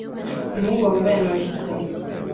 Umuhungu wambaye amajipo